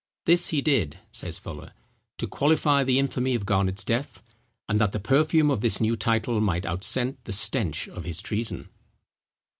"This he did," says Fuller, "to qualify the infamy of Garnet's death, and that the perfume of this new title might outscent the stench of his treason."